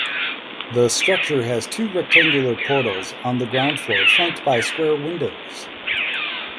The structure has two rectangular portals on the ground floor flanked by square windows.